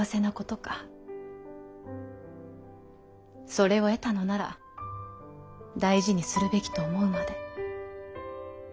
それを得たのなら大事にするべきと思うまで。